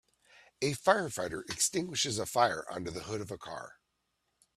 A firefighter extinguishes a fire under the hood of a car